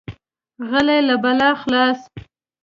غلی، له بلا خلاص.